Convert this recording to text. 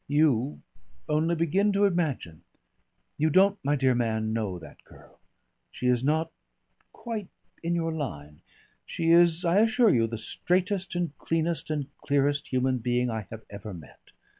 "You only begin to imagine. You don't, my dear man, know that girl. She is not quite in your line. She is, I assure you, the straightest and cleanest and clearest human being I have ever met.